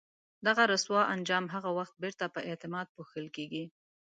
دغه رسوا انجام هغه وخت بیرته په اعتماد پوښل کېږي.